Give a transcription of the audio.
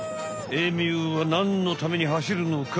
エミューはなんのためにはしるのか